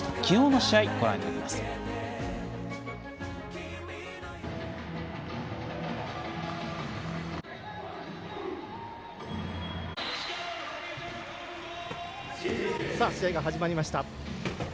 試合が始まりました。